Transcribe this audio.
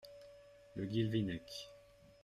Le Guilvinec.